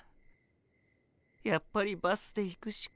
やっぱりバスで行くしかない。